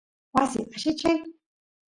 wasi allichay